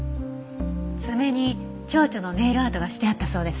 爪に蝶々のネイルアートがしてあったそうです。